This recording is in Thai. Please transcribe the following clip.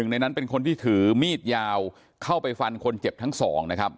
ในนั้นเป็นคนที่ถือมีดยาวเข้าไปฟันคนเจ็บทั้งสองนะครับ